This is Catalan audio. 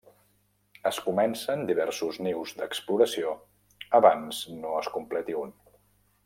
Es comencen diversos nius d'exploració abans no es completi un.